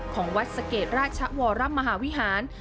ของวัดสะเกดราชวรมหาวิหาร